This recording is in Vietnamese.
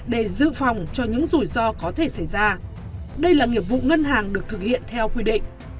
để dự phòng cho những rủi ro có thể xảy ra đây là nghiệp vụ ngân hàng được thực hiện theo quy định